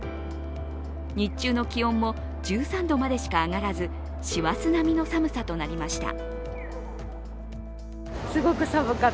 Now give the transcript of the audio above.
日中の気温も１３度までしか上がらず師走並みの寒さとなりました。